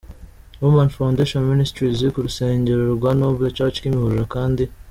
Women Foundation Ministries ku rusengero rwa Noble Church Kimihurura, kandi.